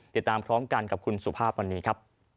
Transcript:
ติดตามพร้อมกันกับคุณสุภาพวันนี้ครับ